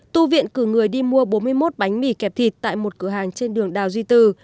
tu viện cử người đi mua bốn mươi một bánh mì kẹp thịt tại một cửa hàng trên đường đào duy từ